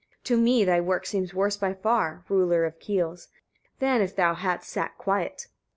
"To me thy work seems worse by far, ruler of keels! than if thou hadst sat quiet."